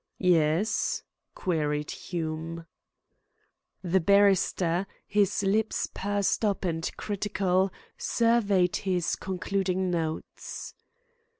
"Yes?" queried Hume. The barrister, his lips pursed up and critical, surveyed his concluding notes.